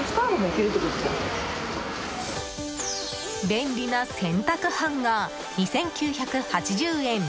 便利な洗濯ハンガー２９８０円。